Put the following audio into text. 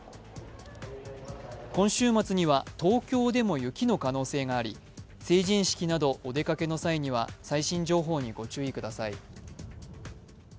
今週末には東京でも雪の可能性があり、成人式などお出かけの際には最新情報にご注意ください。